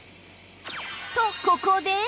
とここで